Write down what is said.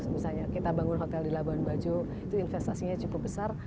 misalnya kita bangun hotel di labuan bajo itu investasinya cukup besar